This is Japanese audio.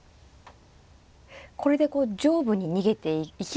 これでこう上部に逃げていけば。